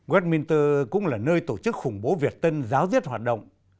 westminster cũng là nơi tổ chức khủng bố việt tân giáo diết hoạt động